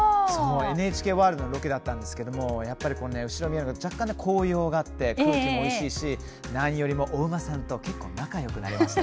ＮＨＫワールドのロケだったんですけれども紅葉があって、空気もおいしいし何よりもお馬さんと仲よくなりました。